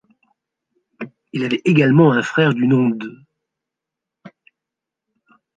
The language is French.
Il avait également un frère du nom d'.